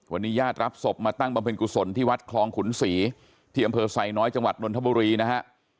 วันนี้ญาติรับศพมาตั้งบำเพ็ญกุศลที่วัดคลองขุนศรีที่อำเภอไซน้อยจังหวัดนนทบุรีนะฮะ